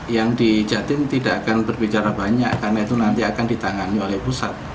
yang di jatim tidak akan berbicara banyak karena itu nanti akan ditangani oleh pusat